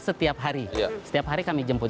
setiap hari setiap hari kami jemput